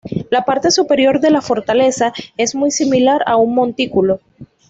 La parte superior de la fortaleza es muy similar a un montículo.